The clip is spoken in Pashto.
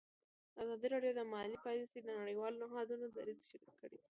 ازادي راډیو د مالي پالیسي د نړیوالو نهادونو دریځ شریک کړی.